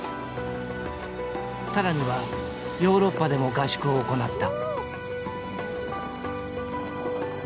更にはヨーロッパでも合宿を行った。